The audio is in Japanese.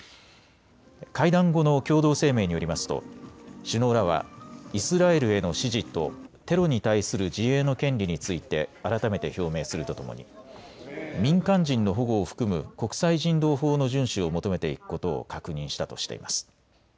会談後の共同声明によりますと首脳らはイスラエルへの支持とテロに対する自衛の権利について改めて表明するとともに民間人の保護を含む国際人道法の順守を求めていくことを確認したとしています。